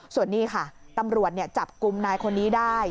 ส่วนนี้ค่ะตำรวจจับกลุ่มนายคนนี้ได้